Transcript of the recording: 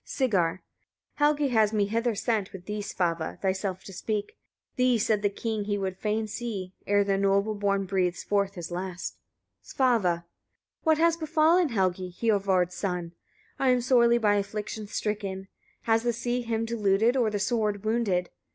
Sigar. 37. Helgi has me hither sent, with thee, Svava! thyself to speak. Thee, said the king, he fain would see, ere the noble born breathes forth his last. Svava. 38. What has befallen Helgi, Hiorvard's son? I am sorely by afflictions stricken. Has the sea him deluded, or the sword wounded?